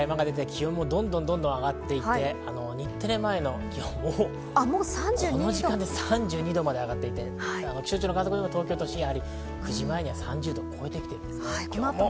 気温もどんどん上がっていって、日テレ前、この時間で３２度まで上がっていて、東京都心はやはり９時前には３０度を超えてきているんです。